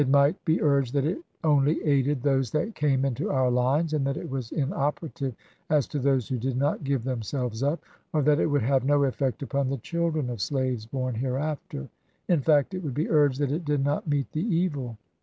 might be urged that it only aided those that came into our lines, and that it was inoperative as to those who did not give themselves up ; or that it would have no effect upon the children of slaves born hereafter; in fact, it would be urged that it did not meet the evil.